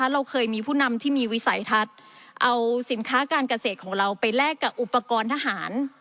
เราเคยมีผู้นำที่มีวิสัยทัศน์เอาสินค้าการเกษตรของเราไปแลกกับอุปกรณ์ทหาร